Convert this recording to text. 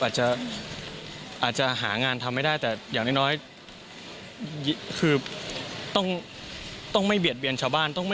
อาจจะอาจจะหางานทำไม่ได้แต่อย่างน้อยคือต้องไม่เบียดเบียนชาวบ้าน